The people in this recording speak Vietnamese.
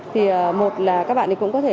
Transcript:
thì một là các bạn ý cũng có thể